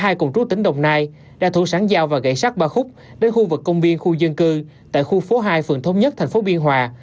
hai đối tượng áp sát dùng dao và gãy sát ba khúc đến khu vực công viên khu dân cư tại khu phố hai phường thống nhất thành phố biên hòa